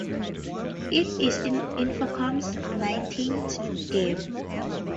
It is Infocom's nineteenth game.